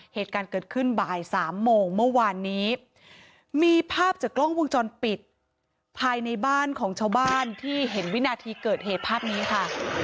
เหตุการณ์เกิดขึ้นบ่ายสามโมงเมื่อวานนี้มีภาพจากกล้องวงจรปิดภายในบ้านของชาวบ้านที่เห็นวินาทีเกิดเหตุภาพนี้ค่ะ